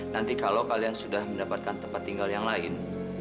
nanti kalau kalian sudah mendapatkan tempat tinggal yang lain